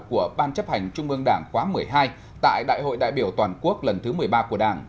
của ban chấp hành trung ương đảng khóa một mươi hai tại đại hội đại biểu toàn quốc lần thứ một mươi ba của đảng